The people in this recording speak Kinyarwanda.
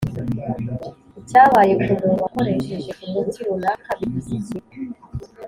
icyabaye ku muntu wakoresheje umuti runaka”bivuze iki?